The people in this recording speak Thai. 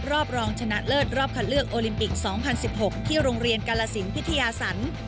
รอบรองชนะเลิภรอบคัดเลือกโอลิมปิกสองพันสิบหกที่โรงเรียนกาลาสินภิทยาสรรค์